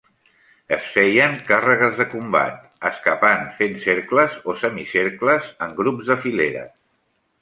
Es feien càrregues de combat, escapant fent cercles o semicercles en grups de fileres.